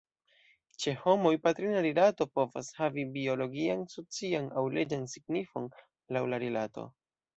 Ĉe homoj, patrina rilato povas havi biologian, socian, aŭ leĝan signifon, laŭ la rilato.